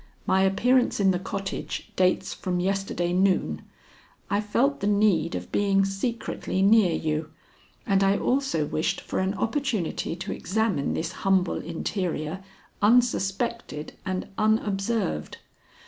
My appearance in the cottage dates from yesterday noon. I felt the need of being secretly near you, and I also wished for an opportunity to examine this humble interior unsuspected and unobserved.